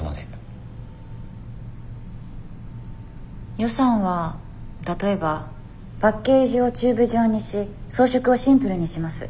予算は例えばパッケージをチューブ状にし装飾をシンプルにします。